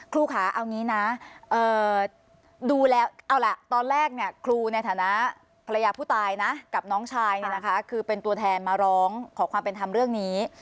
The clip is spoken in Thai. ครูค่ะเอางี้นะดูแล้วเอาล่ะตอนแรกครูในฐานะภรรยาผู้ตายนะกับน้องชายคือเป็นตัวแทนมาร้องขอความเป็นธรรมเรื่องนี้